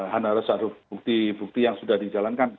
kan harus ada bukti bukti yang sudah dijalankan